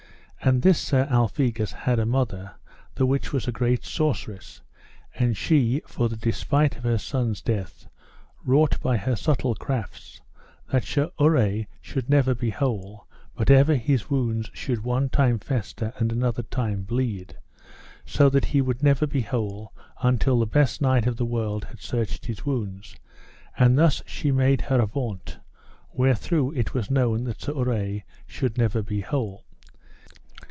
And this Sir Alphegus had a mother, the which was a great sorceress; and she, for the despite of her son's death, wrought by her subtle crafts that Sir Urre should never be whole, but ever his wounds should one time fester and another time bleed, so that he should never be whole until the best knight of the world had searched his wounds; and thus she made her avaunt, wherethrough it was known that Sir Urre should never be whole.